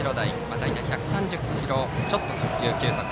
大体１３０キロちょっとの球速。